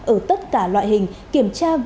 ở tất cả loại hình